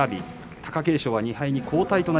貴景勝２敗に後退です。